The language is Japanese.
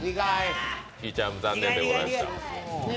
ひぃちゃん、残念でございました。